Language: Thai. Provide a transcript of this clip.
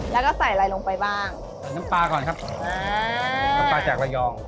แล้วก็ใส่อะไรลงไปบ้างน้ำปลาก่อนครับอ่าน้ำปลาจากระยอง